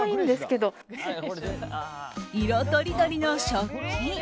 色とりどりの食器。